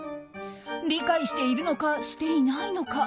理解しているのかしていないのか。